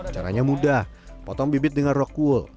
caranya mudah potong bibit dengan rockwool